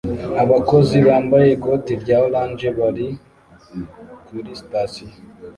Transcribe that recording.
Abakozi bambaye ikoti rya orange bari kuri sitasiyo